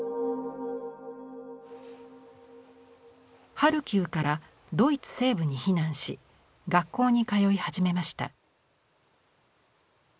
ハルキウからドイツ西部に避難し学校に通い始めました。